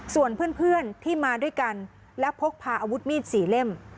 ส่วนเพื่อนที่มาด้วยกันและพกพาอาวุธมีด๔เล่ม